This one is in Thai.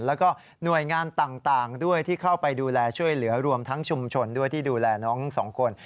แล้วก็หน่วยงานต่างด้วยที่เข้าไปดูแลช่วยเหลือรวมทั้งชุมชนด้วยที่ดูแลน้องสองคน